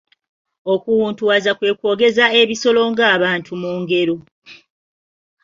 Okuwuntuwaza kwe kwogeza ebisolo ng'abantu mu ngero.